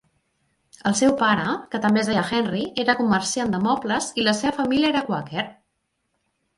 El seu pare, que també es deia Henry, era comerciant de mobles i la seva família era quàquer.